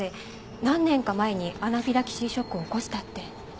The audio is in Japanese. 何年か前にアナフィラキシーショックを起こしたって。